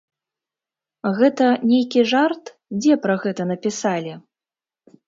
Гэта нейкі жарт, дзе пра гэта напісалі?